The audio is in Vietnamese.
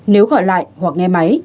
nếu gọi lại hoặc nghe máy